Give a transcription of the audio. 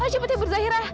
cepet ya berzahira